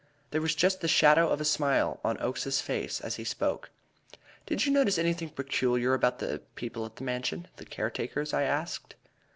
There was just the shadow of a smile on Oakes's face as he spoke. "Did you notice anything peculiar about the people at the Mansion the care takers?" I asked.